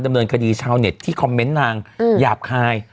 ดำเนินคดีชาวเน็ตที่คอมเมนต์นางหยาบคาย